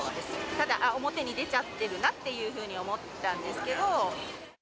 ただ、表に出ちゃってるなというふうに思ったんですけど。